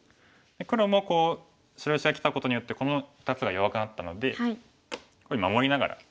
黒もこう白石がきたことによってこの２つが弱くなったのでこういうふうに守りながら。